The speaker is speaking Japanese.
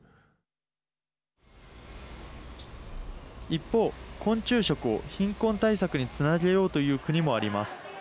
一方、昆虫食を貧困対策につなげようという国もあります。